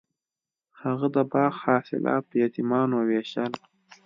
هغه د باغ حاصلات په یتیمانو ویشل.